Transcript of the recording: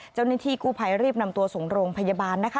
เจ้าหน้าที่กู้ภัยรีบนำตัวส่งโรงพยาบาลนะคะ